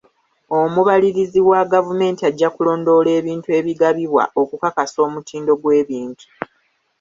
Omubalirizi wa gavumenti ajja kulondoola ebintu ebigabibwa okukakasa omutindo gw'ebintu.